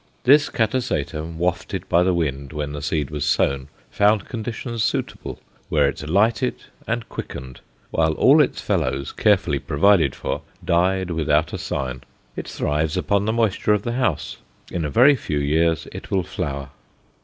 This Catasetum, wafted by the wind, when the seed was sown, found conditions suitable where it lighted, and quickened, whilst all its fellows, carefully provided for, died without a sign. It thrives upon the moisture of the house. In a very few years it will flower.